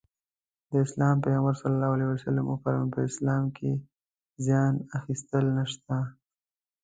د اسلام پيغمبر ص وفرمايل په اسلام کې زيان اخيستل نشته.